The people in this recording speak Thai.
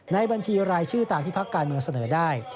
บัญชีรายชื่อตามที่พักการเมืองเสนอได้